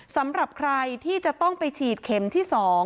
สำหรับใครที่จะต้องไปฉีดเข็มที่๒